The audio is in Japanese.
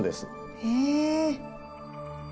へえ。